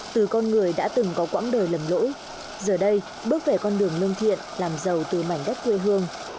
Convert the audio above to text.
từ con người đã từng có quãng đời lầm lỗi giờ đây bước về con đường lân thiện làm giàu từ mảnh đất quê hương